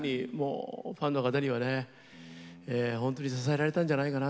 ファンの方には本当に支えられたんじゃないかな